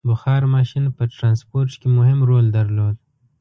• بخار ماشین په ټرانسپورټ کې مهم رول درلود.